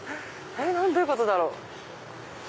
どういうことだろう？